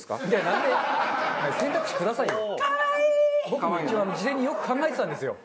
僕も一応事前によく考えてたんですよ。